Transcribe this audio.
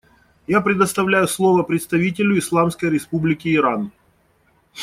Я предоставляю слово представителю Исламской Республики Иран.